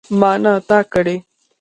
ما نه تا کړی.